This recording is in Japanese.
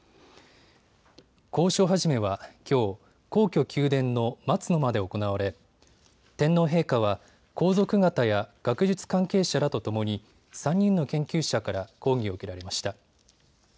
講書始はきょう、皇居・宮殿の松の間で行われ天皇陛下は皇族方や学術関係者らとともに３人の研究者から講義を受けられました。